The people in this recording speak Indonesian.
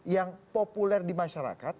yang populer di masyarakat